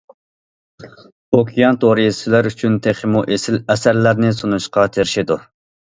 ئوكيان تورى سىلەر ئۈچۈن تېخىمۇ ئېسىل ئەسەرلەرنى سۇنۇشقا تىرىشىدۇ!!!